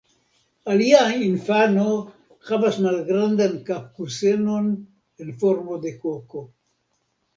Alia infano havas malgrandan kapkusenon en formo de koko.